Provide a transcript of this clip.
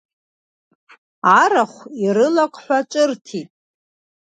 Арахә ирылак ҳәа ҿырҭит.